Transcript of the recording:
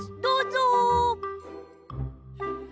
どうぞ！